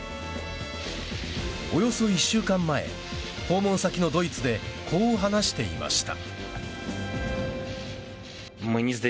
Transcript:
およそ１週間前訪問先のドイツでこう話していました。